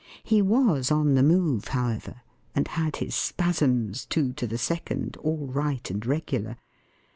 He was on the move, however; and had his spasms, two to the second, all right and regular.